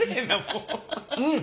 うん！